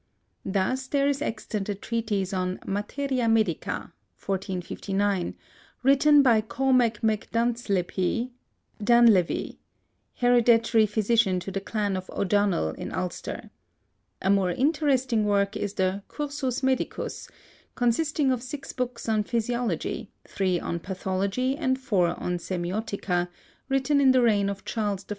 Thus there is extant a treatise on Materia Medica (1459); written by Cormac MacDuinntsleibhe (Dunleavy), hereditary physician to the clan of O'Donnell in Ulster. A more interesting work is the Cursus Medicus, consisting of six books on Physiology, three on Pathology, and four on Semeiotica, written in the reign of Charles I.